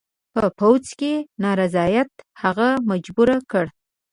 په پوځ کې نارضاییت هغه مجبور کړ.